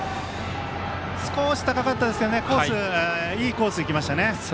少し高かったでしたけどねいいコースいきましたね。